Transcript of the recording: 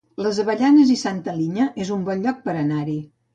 Les Avellanes i Santa Linya es un bon lloc per anar-hi